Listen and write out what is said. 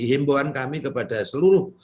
himbuhan kami kepada seluruh